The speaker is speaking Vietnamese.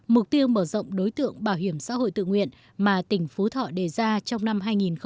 mục tiêu mở rộng đối tượng bảo hiểm xã hội tự nguyện mà tỉnh phú thọ đề ra trong năm hai nghìn hai mươi